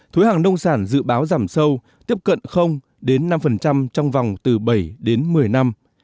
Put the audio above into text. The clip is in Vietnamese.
thuế hàng nông sản dự báo giảm sâu tiếp cận đến năm trong vòng từ bảy đến một mươi năm